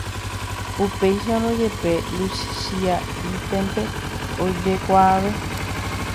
Upéicharõ jepe, Luchia'ípente ojekuaave.